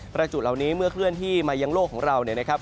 จุดเหล่านี้เมื่อเคลื่อนที่มายังโลกของเราเนี่ยนะครับ